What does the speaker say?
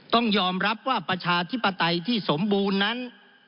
ต้องยอมรับว่าประชาธิปไตยที่สมบูรณ์นั้น